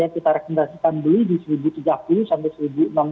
kita rekomendasikan beli di rp satu tiga puluh sampai rp satu enam puluh lima